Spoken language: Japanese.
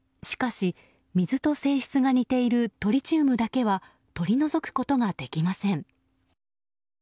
しかし、水と性質が似ているトリチウムだけは取り除くことができません。